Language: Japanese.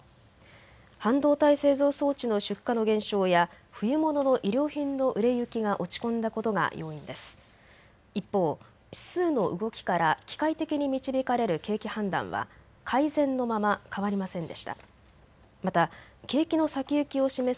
半導体製造装置の出荷の減少や冬物の衣料品の売れ行きが落ち込んだことが要因です。